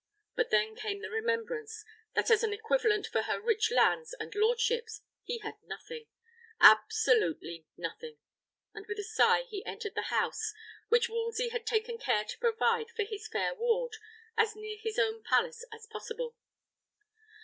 But then came the remembrance, that as an equivalent for her rich lands and lordships, he had nothing, absolutely nothing! and with a sigh he entered the house, which Wolsey had taken care to provide for his fair ward as near his own palace as possible.